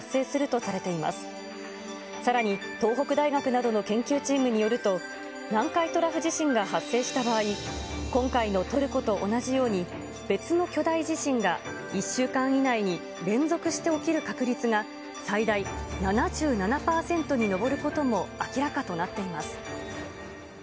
さらに東北大学などの研究チームによると、南海トラフ地震が発生した場合、今回のトルコと同じように、別の巨大地震が１週間以内に連続して起きる確率が、最大７７％に上ることも明らかとなっています。